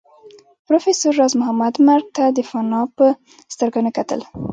پروفېسر راز محمد مرګ ته د فناء په سترګه نه کتل